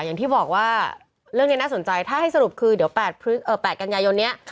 อย่างที่บอกว่าเรื่องนี้น่าสนใจถ้าให้สรุปคือเดี๋ยว๘กันยายนนี้